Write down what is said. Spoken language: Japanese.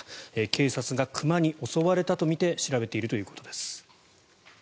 警察が熊に襲われたとみて調べているということです。